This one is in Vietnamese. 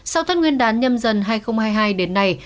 sau thất nguyên đán nhâm dân hai nghìn hai mươi hai đến nay